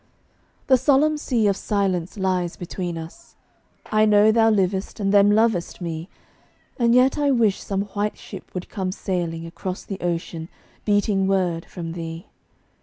The solemn Sea of Silence lies between us; I know thou livest, and them lovest me, And yet I wish some white ship would come sailing Across the ocean, beating word from thee.